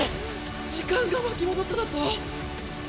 時間が巻き戻っただと？